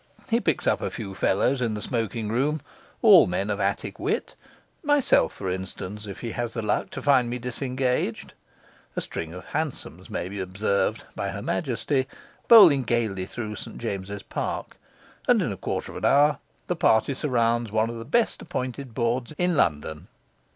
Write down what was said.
He picks up a few fellows in the smoking room all men of Attic wit myself, for instance, if he has the luck to find me disengaged; a string of hansoms may be observed (by Her Majesty) bowling gaily through St James's Park; and in a quarter of an hour the party surrounds one of the best appointed boards in London.